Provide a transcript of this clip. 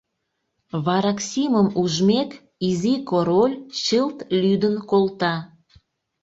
Вараксимым ужмек, изи король чылт лӱдын колта.